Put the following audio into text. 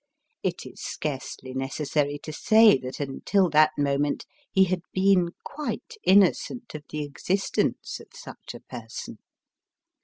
It is scarcely necessary to say that, until that moment, he had been quite innocent of the existence of such a person.